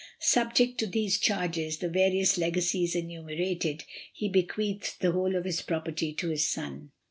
Subject to these charges, and various legacies enumerated, he bequeathed the whole of his property to his son.